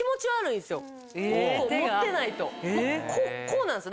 こうなんです